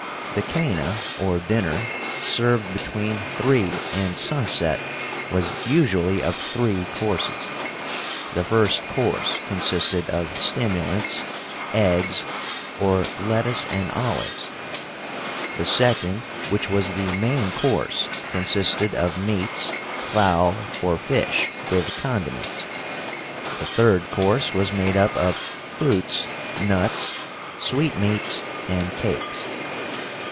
The coena, or dinner, served between three and sunset, was usually of three courses. The first course consisted of stimulants, eggs, or lettuce and olives; the second, which was the main course, consisted of meats, fowl, or fish, with condiments; the third course was made up of fruits, nuts, sweetmeats, and cakes.